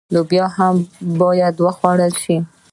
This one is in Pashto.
لوبیا هم باید وخوړل شي.